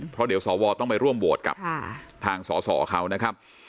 เพราะเดี๋ยวสวต้องไปร่วมโหวตกับทางสอสอเขานะครับ